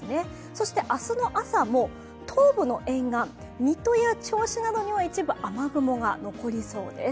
そして、明日の朝も東部の沿岸、水戸や銚子などには一部雨雲が残りそうです。